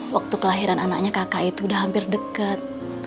waktu kelahiran anaknya kakak itu udah hampir dekat